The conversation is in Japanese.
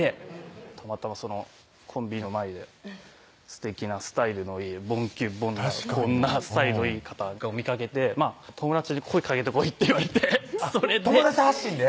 たまたまコンビニの前ですてきなスタイルのいいボンキュッボンのこんなスタイルのいい方見かけて友達に「声かけてこい」って言われてそれで友達発進で？